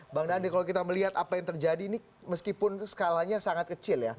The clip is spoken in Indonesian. bang dani kalau kita melihat apa yang terjadi ini meskipun skalanya sangat kecil ya